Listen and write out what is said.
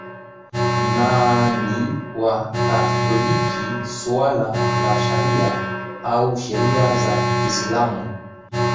na ni Wakatoliki suala la sharia au sheria za Kiislamu